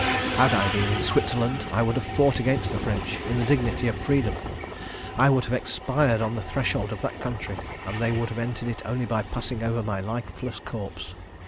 "Had I been in Switzerland, I would have fought against the French in the dignity of freedom, I would have expired on the threshold of that country, and they should have entered it only by passing over my lifeless corpse.